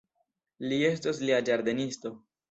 Li estos lia ĝardenisto.